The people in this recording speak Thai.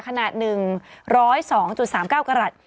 ขนาด๑๐๒๓๙กรัฐ